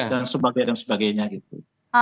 dan sebagainya sebagainya gitu